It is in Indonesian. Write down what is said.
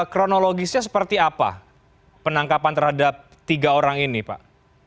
kronologisnya seperti apa penangkapan terhadap tiga orang ini pak